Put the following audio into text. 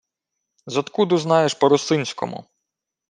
— Зодкуду знаєш по-русинському?